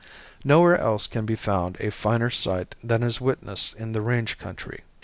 Nowhere else can be found a finer sight than is witnessed in the range country.